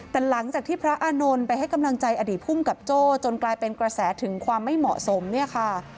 แต่หลังจากที่พระอานนท์ไปให้กำลังใจอดีตภูมิกับโจ้จนกลายเป็นกระแสถึงความไม่เหมาะสมเนี่ยค่ะ